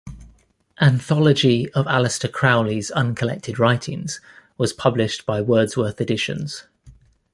Anthology of Aleister Crowley's uncollected writings was published by Wordsworth Editions.